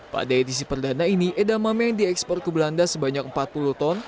pada edisi perdana ini edamame yang diekspor ke belanda sebanyak empat puluh ton